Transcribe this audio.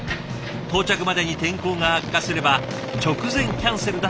到着までに天候が悪化すれば直前キャンセルだってありえます。